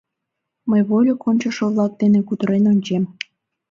— Мый вольык ончышо-влак дене кутырен ончем.